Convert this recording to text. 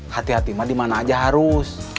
hati hati mah dimana aja harus